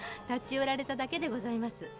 立ち寄られただけでございます。